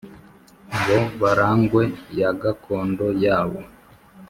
ngo baragwe ya gakondo yabo.